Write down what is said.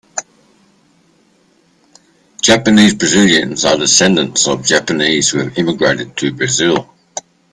Japanese-Brazilians are descendants of Japanese who have immigrated to Brazil.